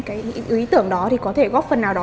cái ý tưởng đó thì có thể góp phần nào đó